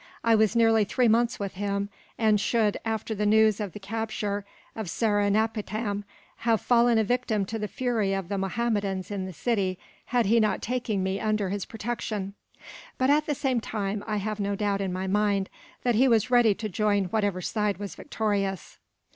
I was nearly three months with him; and should, after the news of the capture of Seringapatam, have fallen a victim to the fury of the Mohammedans in the city, had he not taken me under his protection. But at the same time, I have no doubt in my mind that he was ready to join whichever side was victorious."